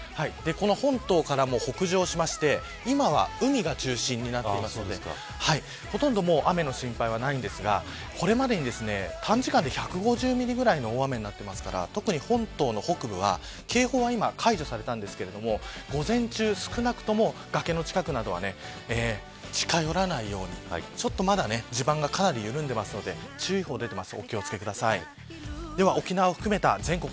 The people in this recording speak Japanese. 本島からも北上して今は海が中心になっているのでほとんど雨の心配はないんですがこれまでに短時間で１５０ミリぐらいの大雨になっていますから特に本島の北部は警報は解除されましたが午前中、少なくとも崖の近くには極力、近寄らないように地盤が緩んでいるので注意報が出ています。